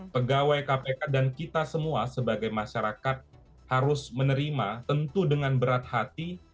pegawai kpk dan kita semua sebagai masyarakat harus menerima tentu dengan berat hati